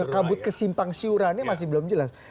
kabut kesimpang siurannya masih belum jelas